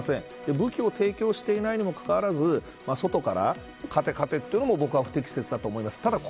武器を提供していないのにもかかわらず外から勝て勝てというのも僕は不適切だと思います。